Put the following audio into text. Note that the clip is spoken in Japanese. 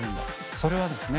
それはですね